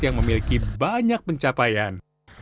yang memiliki banyak pencapaian